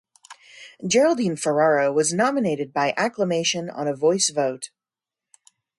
Geraldine Ferraro was nominated by acclamation on a voice vote.